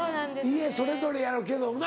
家それぞれやろうけどもな。